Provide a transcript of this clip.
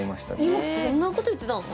今、そんなこと言ってたの？